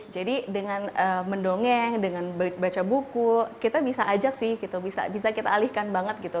jadi dengan mendongeng dengan baca buku kita bisa ajak sih bisa kita alihkan banget gitu